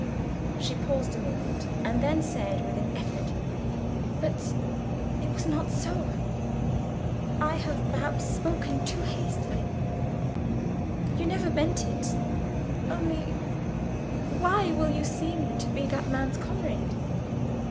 She paused a moment, and then said, with an effort, "But it was not so. I have perhaps spoken too hastily—you never meant it. Only, why will you seem to be that man's comrade?"